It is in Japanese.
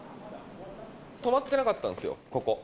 止まってなかったんですよ、ここ。